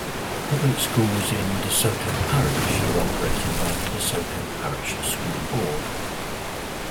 Public schools in DeSoto Parish are operated by the DeSoto Parish School Board.